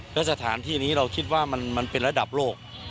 แล้วสถานที่นี้เราคิดว่ามันเป็นระดับโลก